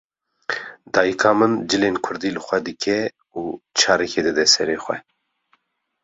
Dayîka min cilên kurdî li xwe dike û çarikê dide sere xwe.